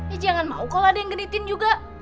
eh jangan mau kalo ada yang genitin juga